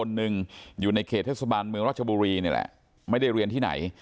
หนึ่งอยู่ในเขตเทศบาลเมืองรัชบุรีนี่แหละไม่ได้เรียนที่ไหน